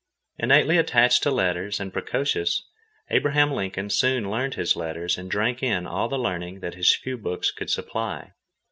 Innately attached to letters, and precocious, Abraham Lincoln soon learned his letters and drank in all the learning that his few books could supply.